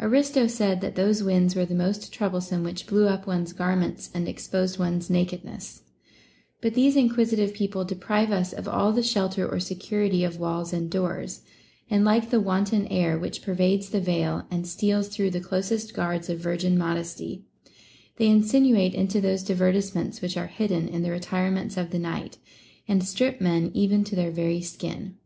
Aristo said that those winds were the most troublesome which blew up one's garments and exposed one's nakedness ; but these inquisitive people deprive us of all the shelter or security of Avails and doors, and like the wanton air, which pervades the veil and steals through the closest guards of virgin modesty, they insinuate into those divertisements which are hidden in the retirements of the night, and strip men even to their very skin.